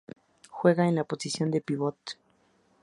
Juega en la posición de pívot.